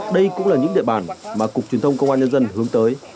đây cũng là những địa bàn mà cục truyền thông công an nhân dân hướng tới